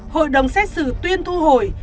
hội đồng xét xử tuyên thu hồi